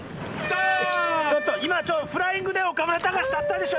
ちょっと今フライングで岡村隆史立ったでしょ